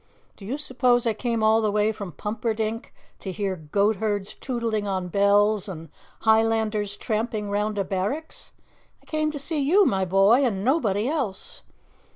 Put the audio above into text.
Do you suppose I came all the way from Pumperdink to hear Goatherds tootling on bells and Highlanders tramping round a barracks? I came to see you, my boy, and nobody else."